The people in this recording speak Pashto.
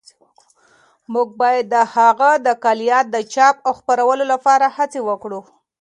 موږ باید د هغه د کلیات د چاپ او خپرولو لپاره هڅې وکړو.